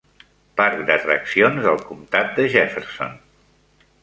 Parc d'atraccions del comtat de Jefferson.